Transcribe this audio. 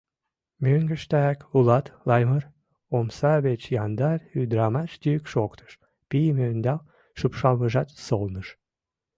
— Мӧҥгыштак улат, Лаймыр? — омса веч яндар ӱдырамаш йӱк шоктыш, пийым ӧндал шупшалмыжат солныш.